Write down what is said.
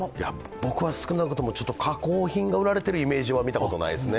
僕は少なくとも加工品が売られてるイメージは見たことないですね。